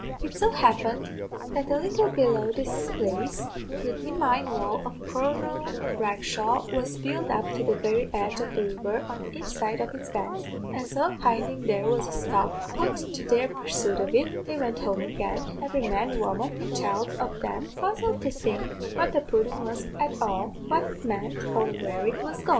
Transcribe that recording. "Now, it so happened that a little below this place, the demesne wall of Colonel Bragshaw was built up to the very edge of the river on each side of its banks; and so findin' there was a stop put to their pursuit of it, they went home again, every man, woman, and child of them, puzzled to think what the pudden was at all, what it meant, or where it was goin'!